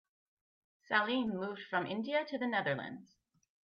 Salim moved from India to the Netherlands.